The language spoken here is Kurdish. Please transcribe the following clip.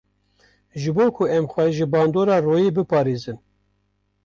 Ji bo ku em xwe ji bandora royê biparêzin.